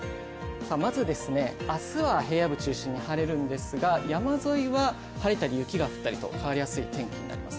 まず明日は平野部中心に晴れるんですが山沿いは晴れたり雪が降ったりと変わりやすい天気になります。